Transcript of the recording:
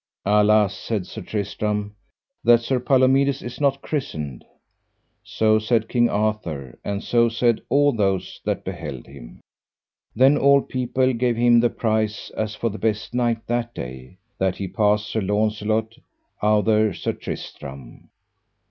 Alas, said Sir Tristram, that Sir Palomides is not christened. So said King Arthur, and so said all those that beheld him. Then all people gave him the prize, as for the best knight that day, that he passed Sir Launcelot outher Sir Tristram.